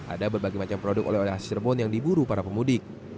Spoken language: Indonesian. ada berbagai macam produk oleh oleh khas cirebon yang diburu para pemudik